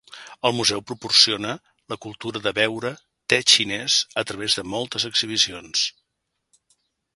El museu promociona la cultura de beure té xinès a través de moltes exhibicions.